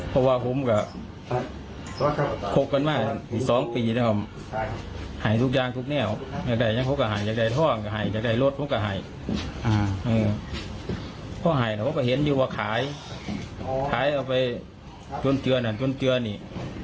เพื่อไห่แล้วเขาจะเห็นจนกว่าขายขายไปจนเตือนอ่ะจนเตือนนี่